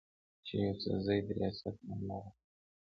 چې يوسفزي د رياست نه باغيان دي